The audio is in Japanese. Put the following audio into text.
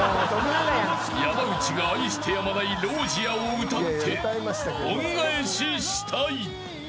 ［山内が愛してやまない『ＲＯＳＩＥＲ』を歌って恩返ししたい］